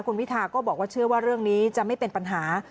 คุณพิทาก็บอกว่าเชื่อว่าเรื่องนี้จะไม่เป็นปัญหา